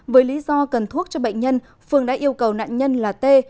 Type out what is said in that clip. với lý do cần thuốc cho bệnh nhân phương đã yêu cầu nạn nhân là t